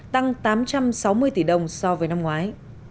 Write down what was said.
tăng tám trăm sáu mươi tỷ đồng so với năm ngoái